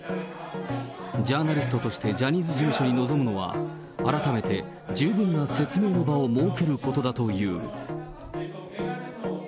ジャーナリストとしてジャニーズ事務所に望むのは、改めて十分な説明の場を設けることだという。